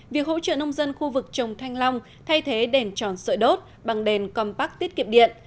việc hỗ trợ nông dân khu vực trồng thanh long thay thế đèn tròn sợi đốt bằng đèn compac tiết kiệm điện